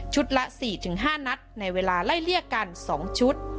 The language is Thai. ละ๔๕นัดในเวลาไล่เลี่ยกัน๒ชุด